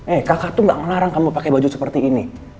eh kakak tuh gak ngelarang kamu pakai baju seperti ini